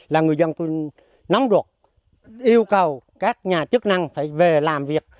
là người dân tôi nóng ruột yêu cầu các nhà chức năng phải về làm việc